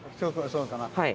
そうだな。